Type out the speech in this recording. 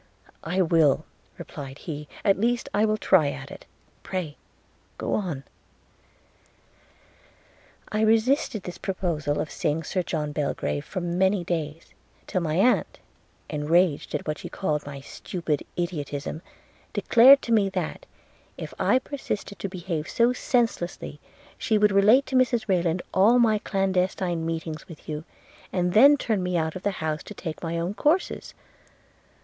'I will,' replied he; 'at least I will try at it – Pray go on.' 'I resisted this proposal of seeing Sir John Belgrave for many days; till my aunt, enraged at what she called my stupid idiotism, declared to me that, if I persisted to behave so senselessly, she would relate to Mrs Rayland all my clandestine meetings with you, and then turn me out of the house to take my own courses.